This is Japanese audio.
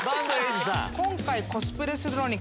今回。